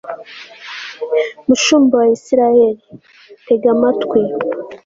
mushumba wa israheli, tega amatwi